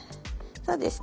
そうですね